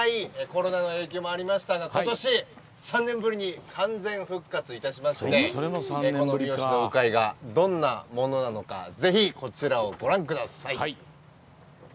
コロナの影響もありましたが今年３年ぶりに完全復活いたしまして三次市の鵜飼がどんなものなのかご覧ください。